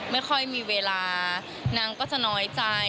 ไม่ค่อยมีเวลานางก็จะน้อยใจ